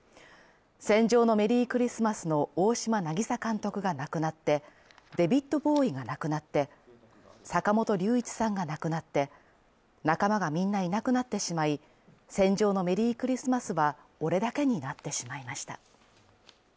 「戦場のメリークリスマス」の大島渚監督がなくなってデビッド・ボウイがなくなって坂本龍一さんが亡くなって、仲間がみんないなくなってしまい、「戦場のメリークリスマス」は俺だけになってしまいました。